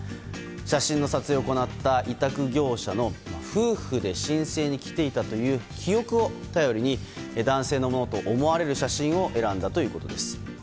写真の撮影を行った委託業者の夫婦で申請に来ていたという記憶を頼りに男性のものと思われる写真を選んだということです。